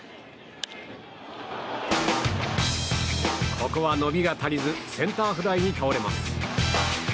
ここは伸びが足りずセンターフライに倒れます。